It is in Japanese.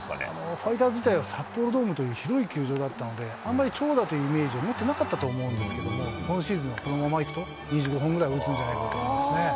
ファイターズ自体が、札幌ドームという広い球場だったので、あまり長打というイメージを持ってなかったので、今シーズンはこのままいくと、２５本ぐらい打つんじゃないかと思いますね。